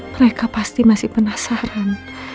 mereka pasti masih penasaran